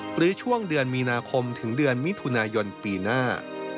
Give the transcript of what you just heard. หรือช่วงเดือนมีนาคมถึงเดือนมิถุนายนปีหน้า